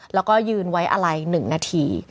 แล้วก็ยืนไว้อะไร๑นาที